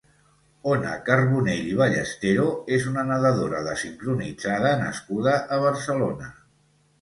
Ona Carbonell i Ballestero és una nadadora de sincronitzada nascuda a Barcelona.